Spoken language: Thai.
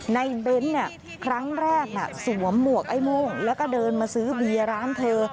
เบ้นครั้งแรกสวมหมวกไอ้โม่งแล้วก็เดินมาซื้อเบียร์ร้านเธอ